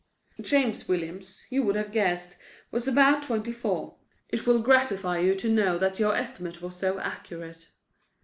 James Williams, you would have guessed, was about twenty four. It will gratify you to know that your estimate was so accurate.